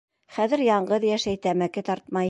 Хәҙер яңғыҙ йәшәй, тәмәке тартмай.